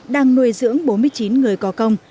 đang nuôi dưỡng bốn mươi chín người có công